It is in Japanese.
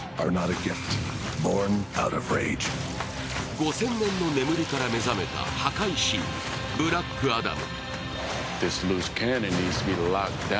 ５０００年の眠りから目覚めた破壊神ブラックアダム。